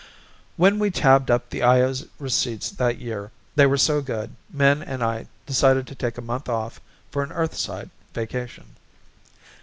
When we tabbed up the Io's receipts that year they were so good Min and I decided to take a month off for an Earthside vacation.